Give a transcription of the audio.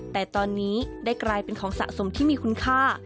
แต่ตอนนี้ได้กลายเป็นของสะสมที่มีคุณค่า